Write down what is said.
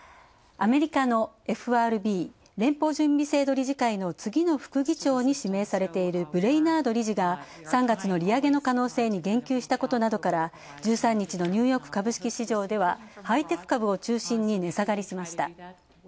アメリカのＦＲＢ＝連邦準備制度理事会の次の副議長に指名されているブレイナード理事が３月の利上げの可能性に言及したことなどから１３日のニューヨーク株式市場ではハイテク株を中心に値下がりしました。